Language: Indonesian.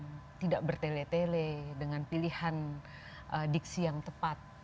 yang tidak bertele tele dengan pilihan diksi yang tepat